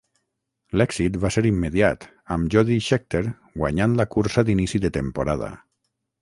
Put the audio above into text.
L'èxit va ser immediat amb Jody Scheckter guanyant la cursa d'inici de temporada.